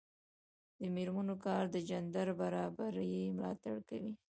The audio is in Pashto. د میرمنو کار د جنډر برابري ملاتړ کوي.